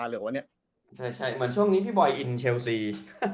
เหมือนช่วงนี้พี่บอยอินเชลซี